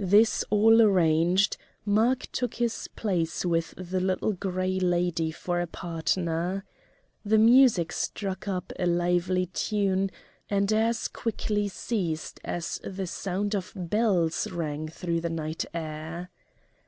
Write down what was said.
This all arranged, Mark took his place with the Little Gray Lady for a partner. The music struck up a lively tune and as quickly ceased as the sound of bells rang through the night air.